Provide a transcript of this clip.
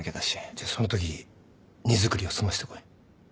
じゃそのとき荷造りを済ませてこい。